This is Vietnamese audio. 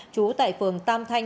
chú tại phường tam thanh